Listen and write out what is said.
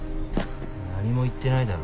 何も言ってないだろ。